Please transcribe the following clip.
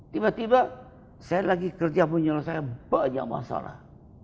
tiba tiba saya lagi kerja menyelesaikan banyak masalah